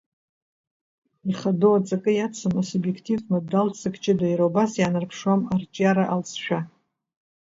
Ихадоу аҵакы иацым асубиективтә модалтә ҵак ҷыда, иара убас иаанарԥшуам арҿиара алҵшәа.